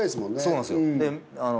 そうなんですよ。